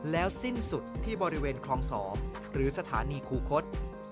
แล้วสิ้นสุดที่บริเวณคลอง๒หรือสถานีคูคศ